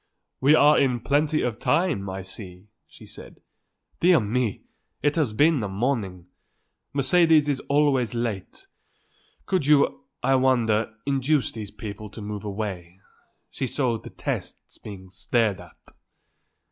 "We are in plenty of time, I see," she said. "Dear me! it has been a morning! Mercedes is always late. Could you, I wonder, induce these people to move away. She so detests being stared at."